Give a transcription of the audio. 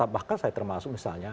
bahkan saya termasuk misalnya